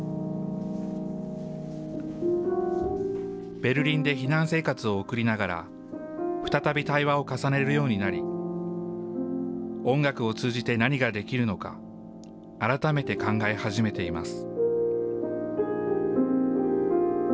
ベルリンで避難生活を送りながら、再び対話を重ねるようになり、音楽を通じて何ができるのか、改めて考え始めています。